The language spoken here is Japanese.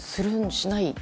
しない？